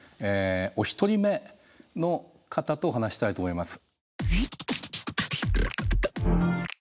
お一人目の方と話したいと思います。